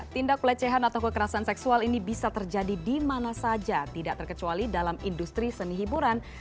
tindak pelecehan atau kekerasan seksual ini bisa terjadi di mana saja tidak terkecuali dalam industri seni hiburan